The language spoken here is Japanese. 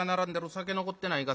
酒残ってないか？